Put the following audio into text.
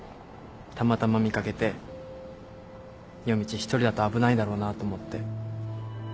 たまたま見掛けて夜道一人だと危ないだろうなと思って